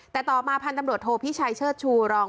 แต่ต่อมาพันธุ์ตำรวจโทพิชัยเชิดชูรอง